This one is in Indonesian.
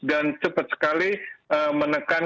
dan cepat sekali menekan